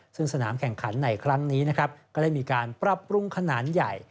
ซึ่งสนามแข่งขันในครั้งนี้นะครับก็ได้มีการปรับปรุงขนาดใหญ่